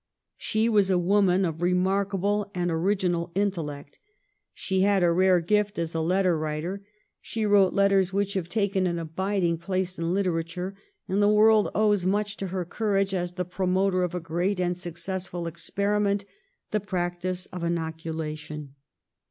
She was a woman of remarkable and original intellect, she had a rare gift as a letter writer — she wrote 1712 14 LADY MARY WORTLEY MONTAGU. 245 letters which have taken an abiding place in literature — and the world owes much to her courage as the promoter of a great and successful experiment, the practice of inoculation.